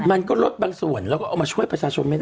มันก็ลดบางส่วนแล้วก็เอามาช่วยประชาชนไม่ได้